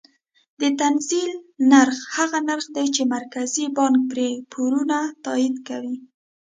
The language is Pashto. د تنزیل نرخ هغه نرخ دی چې مرکزي بانک پرې پورونه تادیه کوي.